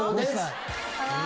かわいい。